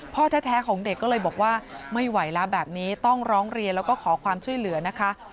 พ่อแท้ของเด็กก็เลยบอกว่าไม่ไหวแล้วแบบนี้ต้องร้องเรียนแล้วก็ขอความช่วยเหลือนะคะ